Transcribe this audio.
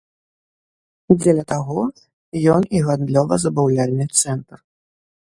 Дзеля таго ён і гандлёва-забаўляльны цэнтр.